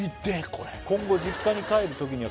これ「今後実家に帰る時には」